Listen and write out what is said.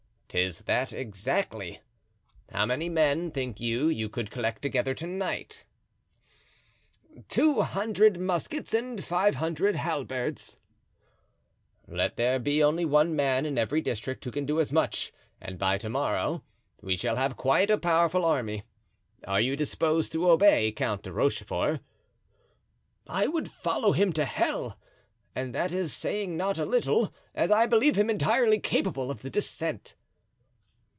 "'Tis that exactly. How many men, think you, you could collect together to night?" "Two hundred muskets and five hundred halberds." "Let there be only one man in every district who can do as much and by to morrow we shall have quite a powerful army. Are you disposed to obey Count de Rochefort?" "I would follow him to hell, and that is saying not a little, as I believe him entirely capable of the descent."